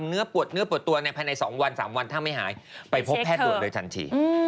เนื้อปวดเนื้อปวดตัวในภายใน๒วัน๓วันถ้าไม่หายไปพบแพทย์ด่วนเลยทันที